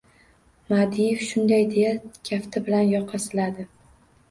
Madiev shunday deya, kafti bilan yoqa siladi.